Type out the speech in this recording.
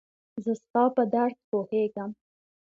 زه ستا په درد پوهيږم